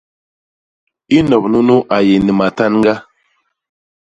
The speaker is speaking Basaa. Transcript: I nop nunu a yé ni matanga.